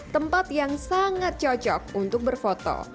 tempat yang sangat cocok untuk berfoto